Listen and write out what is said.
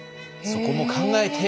そこも考えて。